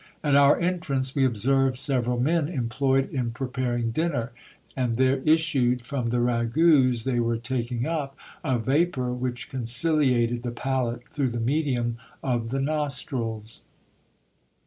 At our entrance, we observed several men employed in preparing dinner ; and there issued from the ragouts they were taking up, a vapour which conciliated the palate through the medium of the nos trils.